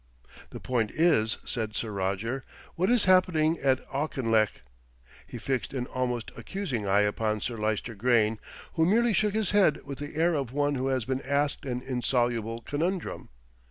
"The point is," said Sir Roger, "what is happening at Auchinlech?" He fixed an almost accusing eye upon Sir Lyster Grayne, who merely shook his head with the air of one who has been asked an insoluble conundrum.